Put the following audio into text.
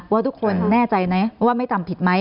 ว่าทุกคนแน่ใจไหมว่าไม่ทำผิดไหม